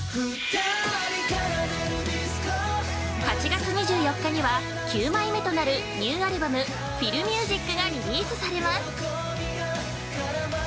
８月２４日には９枚目となるニューアルバム「フィルミュージック」がリリースされます。